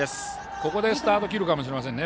ここでスタートを切るかもしれませんね。